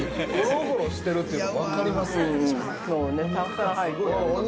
◆ゴロゴロしてるというの分かりますね。